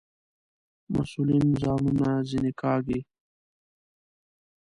مسئولین ځانونه ځنې کاږي.